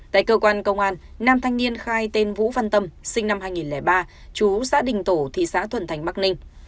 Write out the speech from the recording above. tại cơ quan công an nam thanh niên khai tên vũ văn tâm sinh năm hai nghìn ba chú xã đình tổ thị xã thuận thành bắc ninh